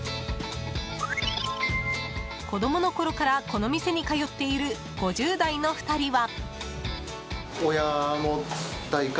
子供のころから、この店に通っている５０代の２人は。